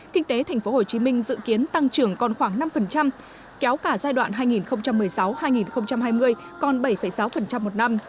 kinh tế thành phố hồ chí minh dự kiến tăng trưởng còn khoảng năm kéo cả giai đoạn hai nghìn một mươi sáu hai nghìn hai mươi còn bảy sáu một năm